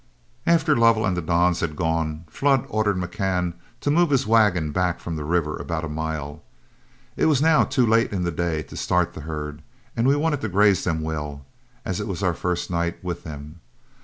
After Lovell and the dons had gone, Flood ordered McCann to move his wagon back from the river about a mile. It was now too late in the day to start the herd, and we wanted to graze them well, as it was our first night with them.